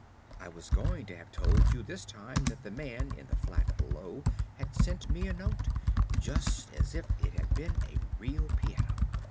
I was going to have told you this time that the man in the flat below had sent me a note, just as if it had been a real piano.